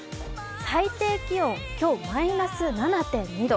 最低気温、今日、マイナス７．２度。